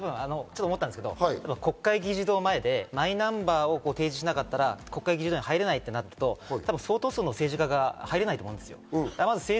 国会議事堂前でマイナンバーを提示しなかったら、国会議事堂に入れないってなると相当数の政治家が入れないと思いますよ。